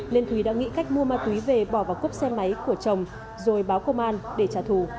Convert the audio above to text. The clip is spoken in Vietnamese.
nên thúy đã nghĩ cách mua ma túy về bỏ vào cốp xe máy của chồng rồi báo công an để trả thù